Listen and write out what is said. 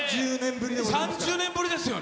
３０年ぶりですから。